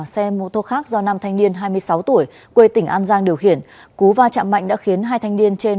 xe mô tô khác do nam thanh niên hai mươi sáu tuổi quê tỉnh an giang điều khiển cú va chạm mạnh đã khiến hai thanh niên trên